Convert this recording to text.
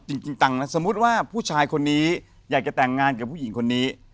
จริงจังนะสมมุติว่าผู้ชายคนนี้อยากจะแต่งงานกับผู้หญิงคนนี้